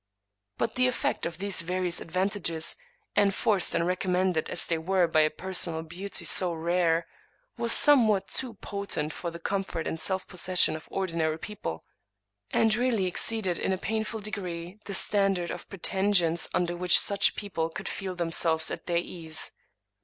But the effect of these various advantages, enforced and recommended as they were by a personal beauty so rare, was somewhat too potent for the comfort and self possession of ordinary people; and really exceeded in a painful degree the standard of pretensions under which such people could feel themselves at their ease.